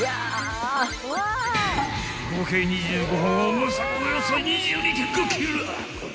［合計２５本重さはおよそ２２．５ｋｇ！］